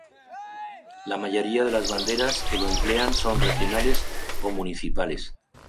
La mayoría de las banderas que lo emplean son regionales o municipales.